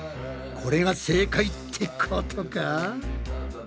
これが正解ってことか？